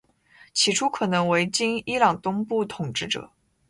起初可能为今伊朗东部统治者。